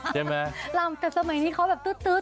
แต่สมัยนี้เขาแบบตื๊ดอ่ะ